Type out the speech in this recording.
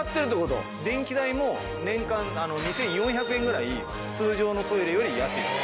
電気代も年間２４００円ぐらい通常のトイレより安いです。